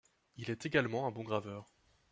Il est également un bon graveur.